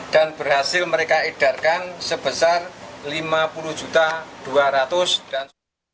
dan berhasil mereka edarkan sebesar lima puluh juta dua ratus dan